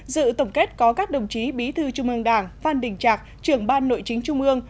dự tổng kết có các đồng chí bí thư trung ương đảng phan đình trạc trưởng ban nội chính trung ương